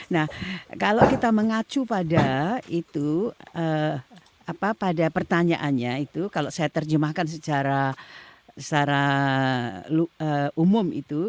nah kalau kita mengacu pada itu pada pertanyaannya itu kalau saya terjemahkan secara umum itu